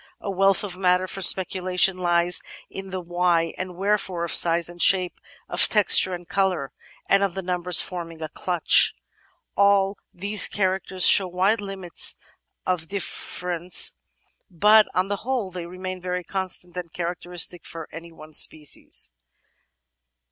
A wealth of matter for speculation lies in the why and wherefore of size and shape, of texture and colour, and of the numbers forming a clutch. All these characters show wide limits of diflFerence, but on the whole they remain very constant and characteristic for any one species.